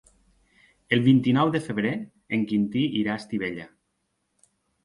El vint-i-nou de febrer en Quintí irà a Estivella.